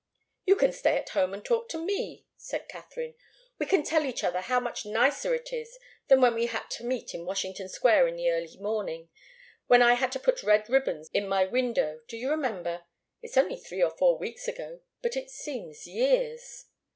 "You can stay at home and talk to me," said Katharine. "We can tell each other how much nicer it is than when we had to meet in Washington Square in the early morning when I had to put red ribbons in my window do you remember? It's only three or four weeks ago, but it seems years."